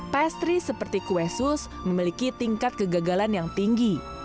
pastry seperti kue sus memiliki tingkat kegagalan yang tinggi